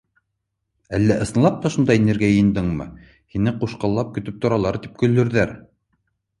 Әллә ысынлап та шунда инергә йыйындыңмы, һине ҡушҡуллап көтөп торалар тип көлөрҙәр.